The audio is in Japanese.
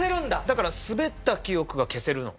だからスベった記憶が消せるの。